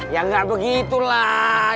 ya enggak begitu lah